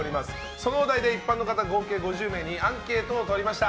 そのお題で一般の方合計５０名にアンケートを取りました。